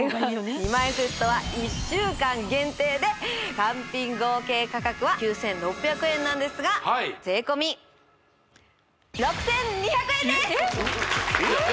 ２枚セットは１週間限定で単品合計価格は９６００円なんですが税込６２００円です！えっ？